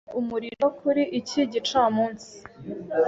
Umurwayi afite umuriro kuri iki gicamunsi.